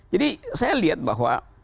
jadi saya lihat bahwa